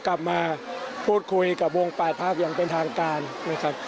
กลับมาพูดคุยกับวง๘ภาคอย่างเป็นทางการนะครับ